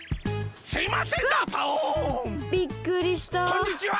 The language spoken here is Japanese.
こんにちは。